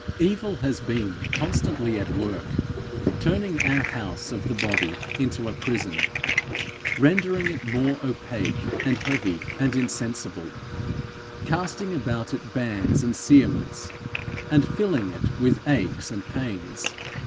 Evil has been constantly at work, turning our house of the body into a prison; rendering it more opaque and heavy and insensible; casting about it bands and cerements, and filling it with aches and pains.